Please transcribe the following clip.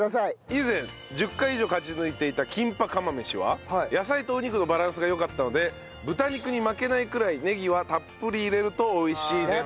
以前１０回以上勝ち抜いていたキンパ釜飯は野菜とお肉のバランスがよかったので豚肉に負けないくらいネギはたっぷり入れると美味しいです。